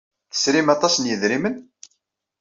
Tesrim aṭas n yidrimen?